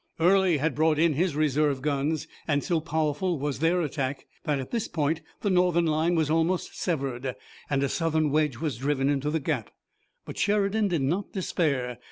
Early had brought in his reserve guns, and so powerful was their attack that at this point the Northern line was almost severed, and a Southern wedge was driven into the gap. But Sheridan did not despair.